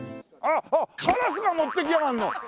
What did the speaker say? あっカラスが持っていきやがんの！